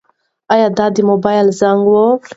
ایا دا د موبایل زنګ و؟